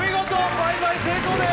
倍買成功です！